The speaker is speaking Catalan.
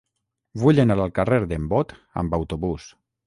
Vull anar al carrer d'en Bot amb autobús.